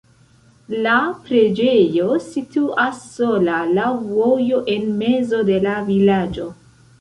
La preĝejo situas sola laŭ vojo en mezo de la vilaĝo.